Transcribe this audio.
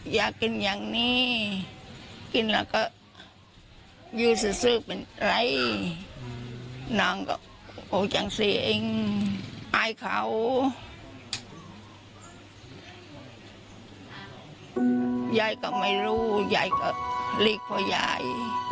ยายก็ไม่รู้ยายก็ลีกพ่อยาย